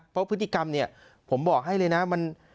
เพราะพฤติกรรมเนี่ยผมบอกให้เลยนะ